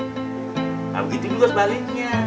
gak begitu juga sebaliknya